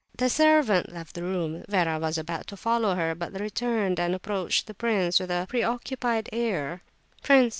The servant left the room. Vera was about to follow her, but returned and approached the prince with a preoccupied air. "Prince!"